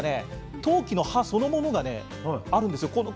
当帰の葉そのものがあるんですよ。